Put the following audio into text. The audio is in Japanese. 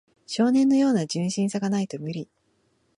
少年のような純真さがないと無理